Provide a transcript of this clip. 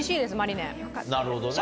なるほどね。